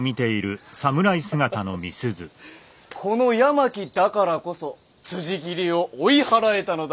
この八巻だからこそ辻斬りを追い払えたのだ。